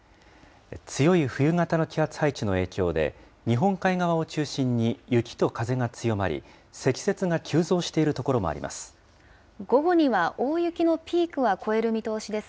強い冬型の気圧配置の影響で、日本海側を中心に雪と風が強まり、積雪が急増している所もあります。